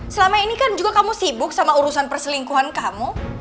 selama ini kan juga kamu sibuk sama urusan perselingkuhan kamu